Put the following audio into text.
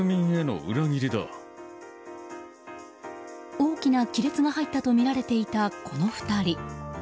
大きな亀裂が入ったとみられていた、この２人。